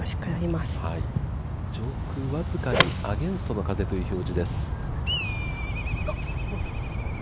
上空僅かにアゲンストの風という表示です。